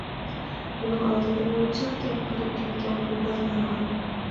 بۇنىڭ ئالدىدىمۇ جىق گەپ قىلىپ كەتكەن بۇنداقلارغا.